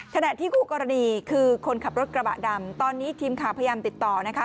ขณะที่คู่กรณีคือคนขับรถกระบะดำตอนนี้ทีมข่าวพยายามติดต่อนะคะ